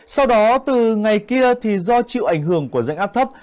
sau đó từ ngày kia thì do chịu ảnh hưởng của rãnh áp thấp